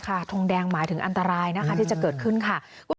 ทงแดงหมายถึงอันตรายนะคะที่จะเกิดขึ้นค่ะ